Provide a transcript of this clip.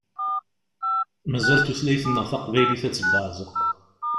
Mazal tutlayt-nneɣ taqbaylit ad tebbeɛzeq.